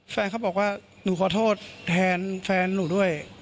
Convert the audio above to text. แฟนเขาบอกว่าหนูขอโทษแทนแฟนหนูด้วย